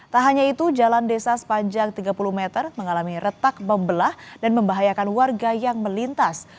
tak hanya itu jalan desa sepanjang tiga puluh meter mengalami retak membelah dan membahayakan warga yang melintas